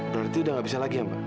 berarti udah nggak bisa lagi ya mbak